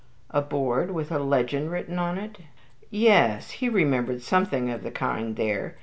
"A board with a legend written on it? Yes, he remembered something of the kind there.